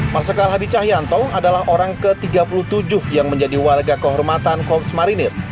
marsikal hadi cahyanto adalah orang ke tiga puluh tujuh yang menjadi warga kehormatan korps marinir